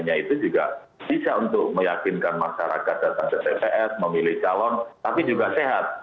hanya itu juga bisa untuk meyakinkan masyarakat datang ke tps memilih calon tapi juga sehat